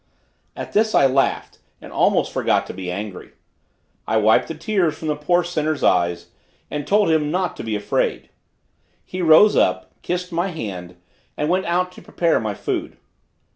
At this I laughed, and almost forgot to be angry. I wiped the tears from the poor sinner's eyes, and told him not to be afraid. He rose up, kissed my hand, and went out to prepare my food.